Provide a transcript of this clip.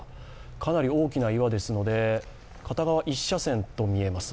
かなり大きな岩ですので、片側１車線と見えます。